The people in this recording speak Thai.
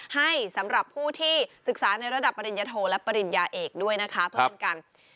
ให้สำหรับผู้ที่ศึกษาในระดับปริญญโธและปริญญาเอกด้วยนะคะ